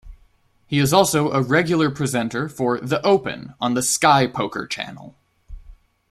He is also a regular presenter for 'The Open' on the Sky Poker channel.